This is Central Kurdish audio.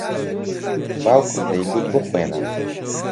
باوکم دەیگوت بخوێنە.